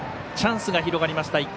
チャンスが広がりました。